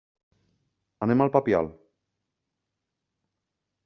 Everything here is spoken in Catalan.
Anem al Papiol.